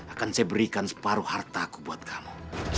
akan saya berikan separuh harta aku buat kamu